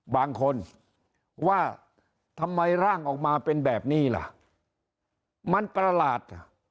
บางคนว่าทำไมร่างออกมาเป็นแบบนี้ล่ะมันประหลาด